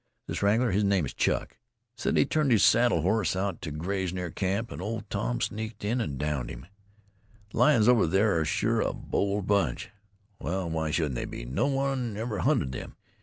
This wrangler his name is Clark said he'd turned his saddle horse out to graze near camp, an' Old Tom sneaked in an' downed him. The lions over there are sure a bold bunch. Well, why shouldn't they be? No one ever hunted them.